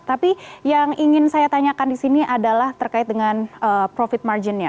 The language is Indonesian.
tapi yang ingin saya tanyakan di sini adalah terkait dengan profit marginnya